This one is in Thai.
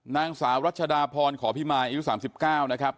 นางสาวรัชดาพรขอพิมายอายุ๓๙นะครับ